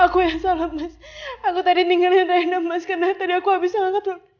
aku yang salah mas aku tadi tinggalnya daya enam mas karena tadi aku habis angkat